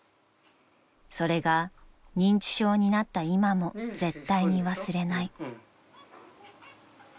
［それが認知症になった今も絶対に忘れない］